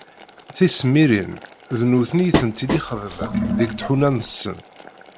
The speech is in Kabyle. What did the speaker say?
Tisemmirin d nutni i tent-id-ixeddmen deg tḥuna-nsen.